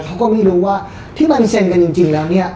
เขาก็ไม่รู้ว่าที่มันเซ็นกันจริงแล้วเนี่ย